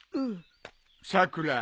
さくら